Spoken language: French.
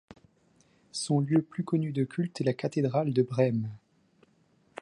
Son lieu plus connu de culte est la cathédrale de Brême.